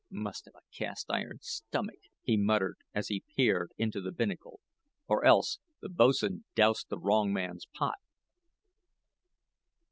"Must have a cast iron stomach," he muttered, as he peered into the binnacle; "or else the boats'n dosed the wrong man's pot."